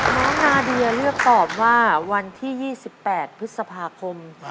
นาเดียเลือกตอบว่าวันที่๒๘พฤษภาคม